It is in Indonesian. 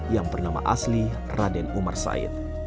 yang bernama asli raden umar said